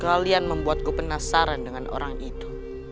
kalian membuatku penasaran dengan orang itu